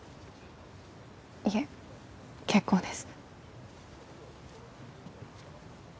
いえ結構です。